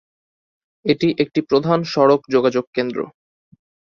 এটি একটি প্রধান সড়ক যোগাযোগ কেন্দ্র।